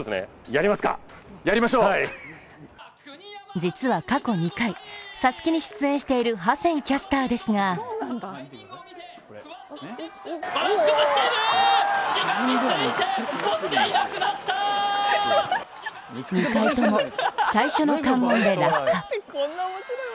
実は過去２回、「ＳＡＳＵＫＥ」に出演しているハセンキャスターですが２回とも最初の関門で落下。